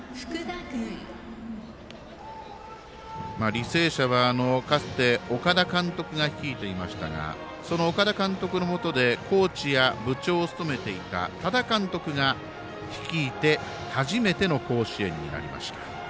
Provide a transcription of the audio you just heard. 履正社は、かつて岡田監督が率いていましたがその岡田監督のもとでコーチや部長を務めていた多田監督が率いて初めての甲子園になりました。